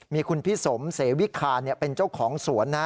มีคุณพี่สมเสวิคารเป็นเจ้าของสวนนะ